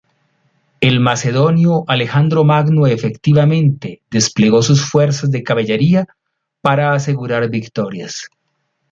El Macedonio Alejandro Magno efectivamente desplegó sus fuerzas de caballería para asegurar victorias.